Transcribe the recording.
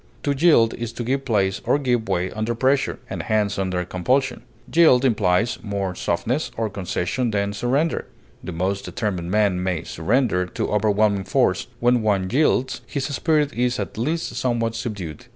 To yield is to give place or give way under pressure, and hence under compulsion. Yield implies more softness or concession than surrender; the most determined men may surrender to overwhelming force; when one yields, his spirit is at least somewhat subdued.